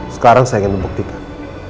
sekarang saya ingin membuktikan